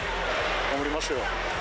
頑張りましたよ。